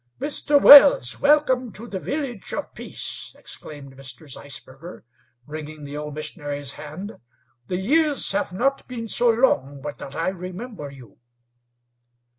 "Mr. Wells, welcome to the Village of Peace!" exclaimed Mr. Zeisberger, wringing the old missionary's hand. "The years have not been so long but that I remember you."